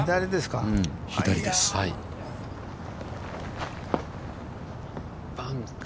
左ですか。